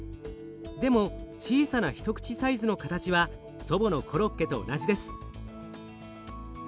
でも小さな一口サイズの形は祖母のコロッケと同じです。